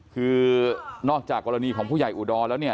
คือนอกจากกรณีของผู้ใหญ่อุดรแล้วเนี่ย